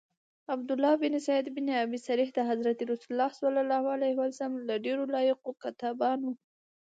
عبدالله بن سعد بن ابی سرح د حضرت رسول له ډیرو لایقو کاتبانو.